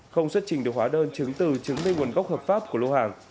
không xuất trình được hóa đơn chứng từ chứng minh nguồn gốc hợp pháp của lô hàng